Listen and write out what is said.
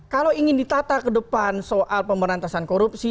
kalau ingin ditata ke depan soal pemberantasan korupsi